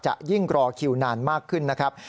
ยิ่งรอคิวนานมากขึ้นนะครับ